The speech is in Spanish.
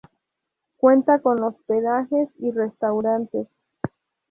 Cuenta con hospedajes y restaurantes.